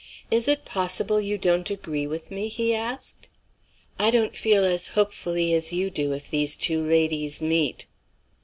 "Is it possible you don't agree with me?" he asked. "I don't feel as hopefully as you do, if these two ladies meet."